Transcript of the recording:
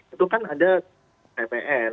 itu kan ada ppn